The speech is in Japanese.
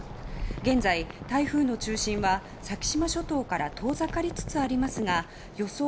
現在、台風の中心は先島諸島から遠ざかりつつありますが予想